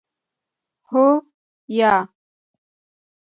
هو 👍 یا 👎